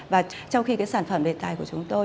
và trong khi cái sản phẩm đề tài của chúng tôi